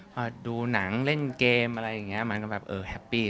ว่าดูหนังเล่นเกมอะไรอย่างเงี่ย